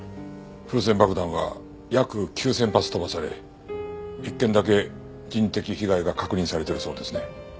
風船爆弾は約９０００発飛ばされ１件だけ人的被害が確認されているそうですね。